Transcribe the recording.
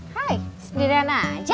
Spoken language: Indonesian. hai sendirian aja